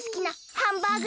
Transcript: ハンバーグ！